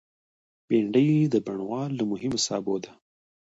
بېنډۍ د بڼوال له مهمو سابو ده